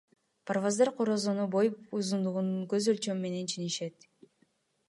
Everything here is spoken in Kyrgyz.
Парваздар корозунун бой узундугун көз өлчөм менен ченешет.